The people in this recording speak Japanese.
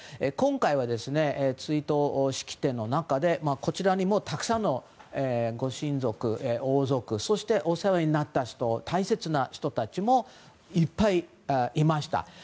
今回は追悼式典の中でこちらにもたくさんのご親族、王族そしてお世話になった人大切な人たちもいっぱいいました。